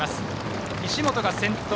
石元が先頭。